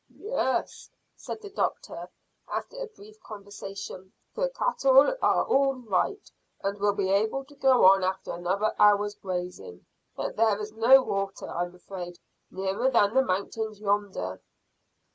"Yes," said the doctor, after a brief conversation, "the cattle are all right, and will be able to go on after another hour's grazing; but there is no water, I'm afraid, nearer than the mountains yonder."